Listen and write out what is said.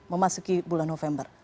memasuki bulan november